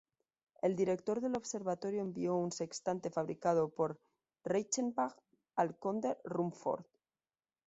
El Director del Observatorio envió un sextante fabricado por Reichenbach al conde Rumford.